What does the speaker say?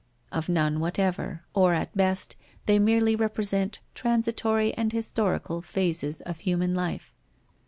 Of none whatever, or at best, they merely represent transitory and historical phases of human life.